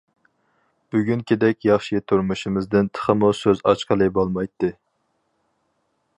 بۈگۈنكىدەك ياخشى تۇرمۇشىمىزدىن تېخىمۇ سۆز ئاچقىلى بولمايتتى.